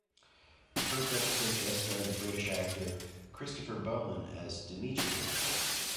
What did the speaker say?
The first episode guest-starred the British actor, Christopher Bowen as Dimitriev.